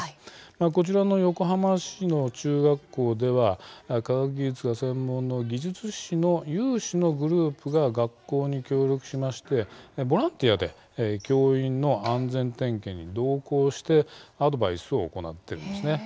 こちらの横浜市の中学校では科学技術が専門の技術士の有志のグループが学校に協力しましてボランティアで教員の安全点検に同行してアドバイスを行っているんです。